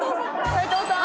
斉藤さん？」